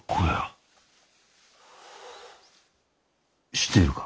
知っているか？